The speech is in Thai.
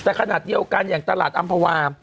แต่ขนาดเดียวกันอย่างตลาดอำภาวา